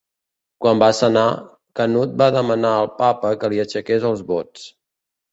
Quan va sanar, Canut va demanar al papa que li aixequés els vots.